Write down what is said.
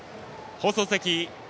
放送席